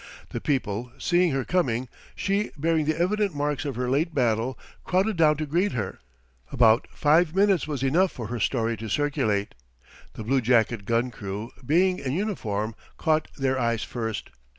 The people, seeing her coming, she bearing the evident marks of her late battle, crowded down to greet her. About five minutes was enough for her story to circulate. The bluejacket gun crew, being in uniform, caught their eyes first.